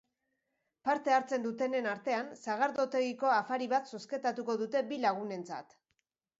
Parte hartzen dutenen artean, sagardotegiko afari bat zozketatuko dute bi lagunentzat.